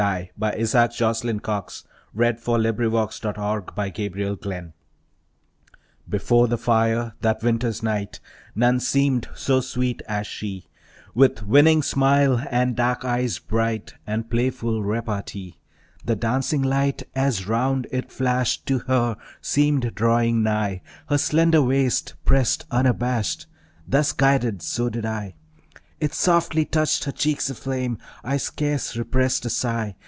E F . G H . I J . K L . M N . O P . Q R . S T . U V . W X . Y Z And So Did I Before the fire, that winter's night None seemed so sweet as she, With winning smile, and dark eyes bright, And playful repartee. The dancing light as round it flashed To her seemed drawing nigh, Her slender waist pressed unabashed; Thus guided, so did I. It softly touched her cheeks aflame. I scarce repressed a sigh.